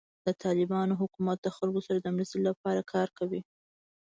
د طالبانو حکومت د خلکو سره د مرستې لپاره کار کوي.